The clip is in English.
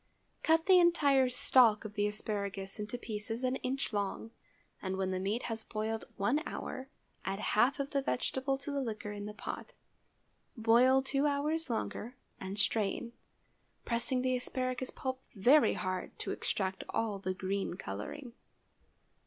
Cut the entire stalk of the asparagus into pieces an inch long, and when the meat has boiled one hour, add half of the vegetable to the liquor in the pot. Boil two hours longer and strain, pressing the asparagus pulp very hard to extract all the green coloring.